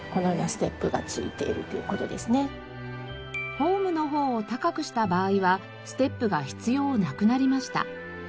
ホームの方を高くした場合はステップが必要なくなりました。